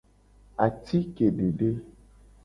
Atike dede.